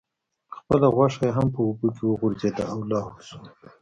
خپله غوښه یې هم په اوبو کې وغورځیده او لاهو شوه.